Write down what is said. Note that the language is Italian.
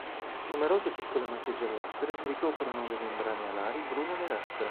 Numerose piccole macchie giallastre ricoprono le membrane alari bruno-nerastre.